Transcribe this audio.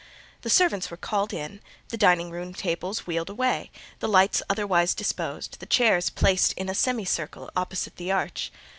The servants were called in, the dining room tables wheeled away, the lights otherwise disposed, the chairs placed in a semicircle opposite the arch.